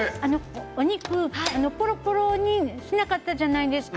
お肉をぽろぽろにしなかったじゃないですか。